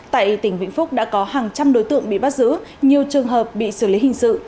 tại tỉnh vĩnh phúc đã có hàng trăm đối tượng bị bắt giữ nhiều trường hợp bị xử lý hình sự